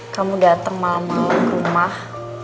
kamu datang malam malam ke rumah